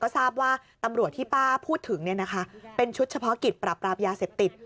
ทราบว่าตำรวจที่ป้าพูดถึงเป็นชุดเฉพาะกิจปรับปรามยาเสพติด